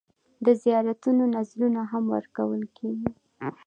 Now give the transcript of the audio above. د زیارتونو نذرونه هم ورکول کېږي.